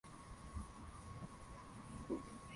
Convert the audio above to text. mambo ya kuwindana Wanachogombania kwenye siasa ni kupewa